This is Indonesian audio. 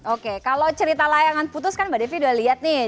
oke kalau cerita layangan putus kan mbak devi udah lihat nih